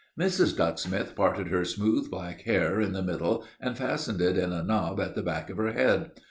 Mrs. Ducksmith parted her smooth black hair in the middle and fastened it in a knob at the back of her head.